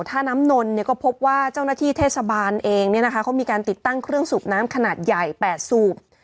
ท่าน้ำนนก็พบว่าเจ้าหน้าที่เทศบาลเองเขามีการติดตั้งเครื่องสูบน้ำขนาดใหญ่๘สูบ